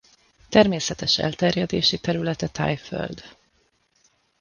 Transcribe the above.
Természetes elterjedési területe Thaiföld.